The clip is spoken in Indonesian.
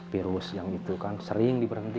virus yang itu kan sering diberhentikan